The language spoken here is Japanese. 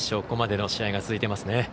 ここまでの試合が続いていますね。